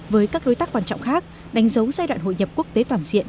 với các đối tác quan trọng khác đánh dấu giai đoạn hội nhập quốc tế toàn diện